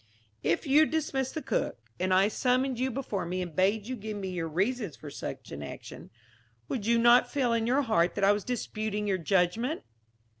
"If you dismissed the cook, and I summoned you before me and bade you give me your reasons for such an action, would you not feel in your heart that I was disputing your judgment?"